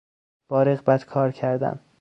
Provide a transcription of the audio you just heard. با رغبت کار کردن